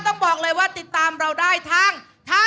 ต้องบอกเลยว่าติดตามเราได้ทาง